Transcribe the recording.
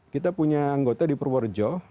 kita punya anggota di purworejo